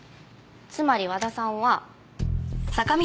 つまり和田さんは。